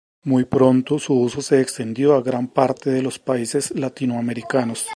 Muy pronto, su uso se extendió a gran parte de los países latinoamericanos.